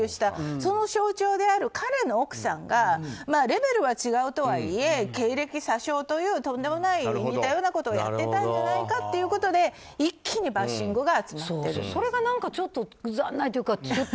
その象徴である彼の奥さんがレベルが違うとはいえ経歴詐称という、とんでもない似たようなことをやってたんじゃないかということでそれが残念というか。